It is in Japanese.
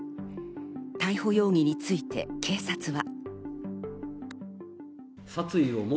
逮捕容疑について警察は。